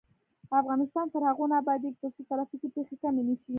افغانستان تر هغو نه ابادیږي، ترڅو ترافیکي پیښې کمې نشي.